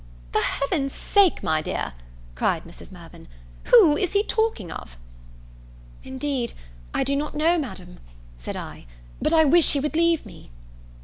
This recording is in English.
"For Heaven's sake, my dear," cried Mrs. Mirvan, "who is he talking of?" "Indeed I do not know, Madam," said I; "but I wish he would leave me."